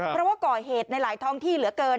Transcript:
เพราะว่าก่อเหตุในหลายท้องที่เหลือเกิน